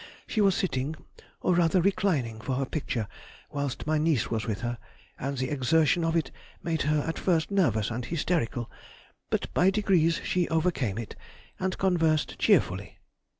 She was sitting—or rather reclining—for her picture whilst my niece was with her, and the exertion of it made her at first nervous and hysterical, but by degrees she overcame it, and conversed cheerfully.